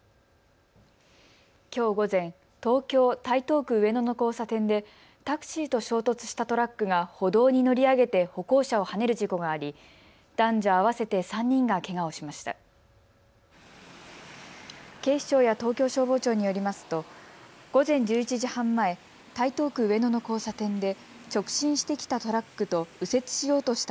きょう午前、東京台東区上野の交差点でタクシーと衝突したトラックが歩道に乗り上げて歩行者をはねる事故があり男女合わせて３人がけがをしました。